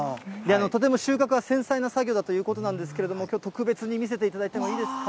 とても収穫は繊細な作業だということなんですけど、きょう、特別に見せていただいてもいいですか？